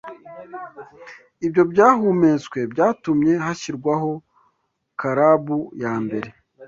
Ibyo byahumetswe byatumye hashyirwaho karabu ya mbere